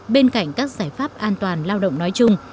bên cạnh các giải pháp an toàn lao động nói chung